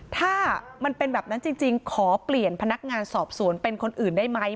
ถ้ามันเป็นแบบนั้นจริงขอเปลี่ยนพนักงานสอบสวนเป็นคนอื่นได้ไหม